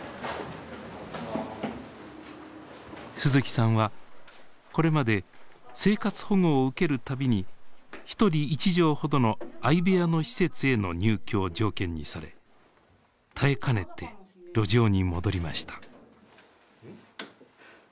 鈴木さんはこれまで生活保護を受ける度に一人一畳ほどの相部屋の施設への入居を条件にされ耐えかねて路上に戻りました。